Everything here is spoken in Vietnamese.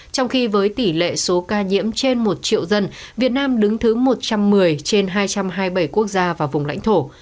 trong khi với tỷ lệ số ca nhiễm trên một triệu dân việt nam đứng thứ một trăm một mươi trên hai trăm hai mươi bảy quốc gia và vùng lãnh thổ